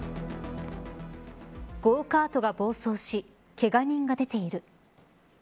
ゴーカートが暴走しけが人が出ている。